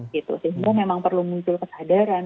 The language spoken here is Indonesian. jadi memang perlu muncul kesadaran